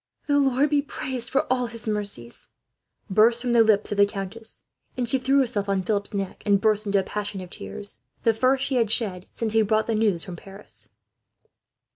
"The Lord be praised for all His mercies!" burst from the lips of the countess, and she threw herself on Philip's neck, and burst into a passion of tears, the first she had shed since he brought the news from Paris.